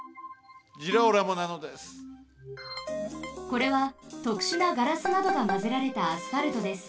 これはとくしゅなガラスなどがまぜられたアスファルトです。